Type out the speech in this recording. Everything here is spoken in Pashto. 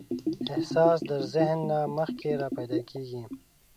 احساس د ذهن نه مخکې راپیدا کېږي.